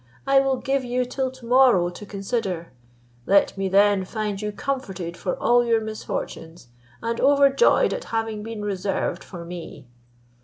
I will give you till to morrow to consider. Let me then find you comforted for all your misfortunes, and overjoyed at having been reserved for me."